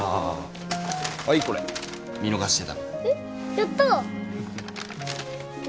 やったぁ。